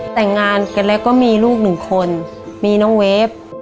แต่งงานกันแล้วก็มีลูกหนึ่งคนมีน้องเวฟ